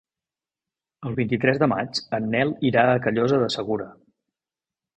El vint-i-tres de maig en Nel irà a Callosa de Segura.